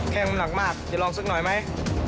แข่งมันหนักมากจะลองซักหน่อยไหม